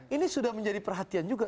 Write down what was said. ini sudah menjadi perhatian juga